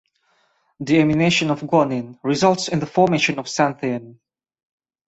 Deamination of guanine results in the formation of xanthine.